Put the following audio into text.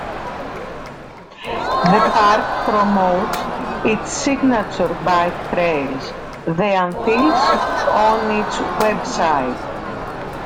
The park promotes its signature bike trails, the "Anthills", on its website.